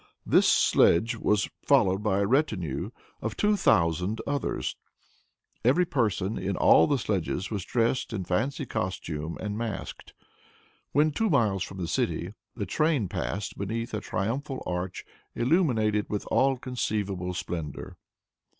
This sledge was followed by a retinue of two thousand others. Every person, in all the sledges, was dressed in fancy costume, and masked. When two miles from the city, the train passed beneath a triumphal arch illuminated with all conceivable splendor.